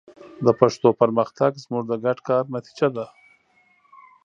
د پښتو پرمختګ زموږ د ګډ کار نتیجه ده.